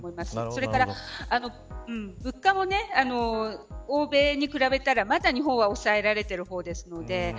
それから物価も欧米に比べたらまた日本は抑えられている方です。